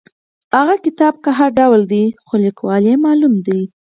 هغه کتاب که هر ډول دی خو لیکوال یې معلوم دی.